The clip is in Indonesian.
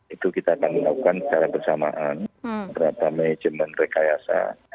itu kita akan melakukan secara bersamaan berapa mejen menerkayasa